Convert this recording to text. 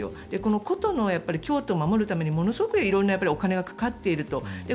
古都の京都を守るためにものすごく色んなお金がかかっていると。